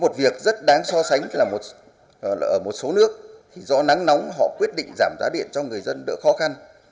một việc rất đáng so sánh là ở một số nước do nắng nóng họ quyết định giảm giá điện cho người dân đỡ khó khăn